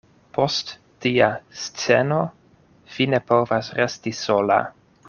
Post tia sceno, vi ne povas resti sola.